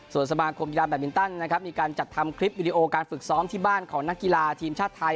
ส่วนสมาคมกีฬาแบตมินตันนะครับมีการจัดทำคลิปวิดีโอการฝึกซ้อมที่บ้านของนักกีฬาทีมชาติไทย